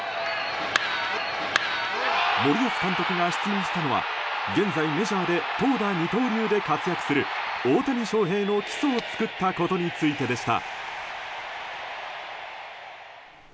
森保監督が質問したのは現在、メジャーで投打二刀流で活躍する大谷翔平の基礎を作ったことについてでした。